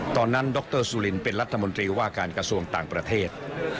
ดรสุรินเป็นรัฐมนตรีว่าการกระทรวงต่างประเทศ